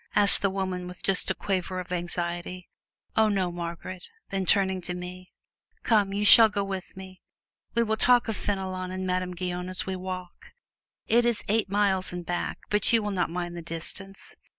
asked the woman, with just a quaver of anxiety. "Oh no, Margaret"; then turning to me, "Come, you shall go with me we will talk of Fenelon and Madame Guyon as we walk. It is eight miles and back, but you will not mind the distance.